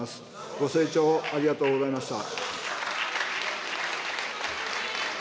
ご清聴ありがとうございました。